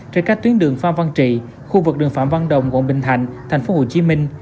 trên các tuyến đường phan văn trị khu vực đường phạm văn đồng quận bình thạnh thành phố hồ chí minh